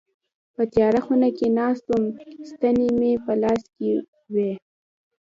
په تياره خونه کي ناست وم ستني مي په لاس کي وي.